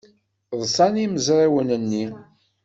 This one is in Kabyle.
Ḍṣan yimezrawen-nni.